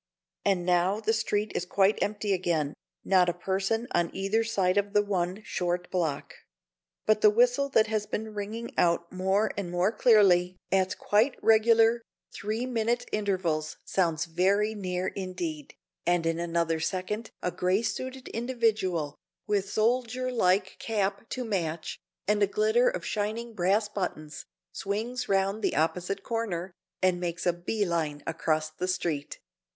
And now the street is quite empty again, not a person on either side of the one, short block; but the whistle that has been ringing out more and more clearly at quite regular, three minute intervals sounds very near indeed, and in another second a gray suited individual, with soldier like cap to match and a glitter of shining brass buttons, swings round the opposite corner, and makes a bee line across the street.